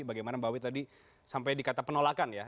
bagaimana mbawi tadi sampai di kata penolakan ya